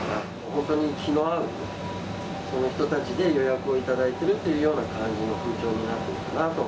本当に気の合うそういう人たちで予約を頂いているという感じの風潮になってるかなと。